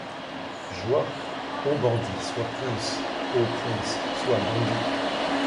Joie ! ô bandit, sois prince ! ô prince, sois bandit.